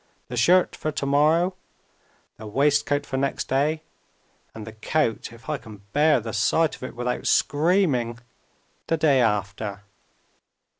The shirt for to morrow, the waistcoat for next day, and the coat if I can bear the sight of it without screaming the day after!'